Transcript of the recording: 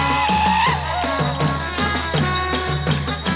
โอ้โหโอ้โหโอ้โห